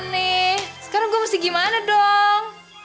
nih sekarang gue mesti gimana dong